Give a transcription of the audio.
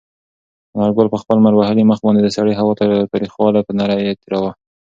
انارګل په خپل لمر وهلي مخ باندې د سړې هوا تریخوالی په نره تېراوه.